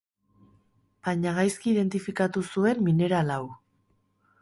Baina, gaizki identifikatu zuen mineral hau.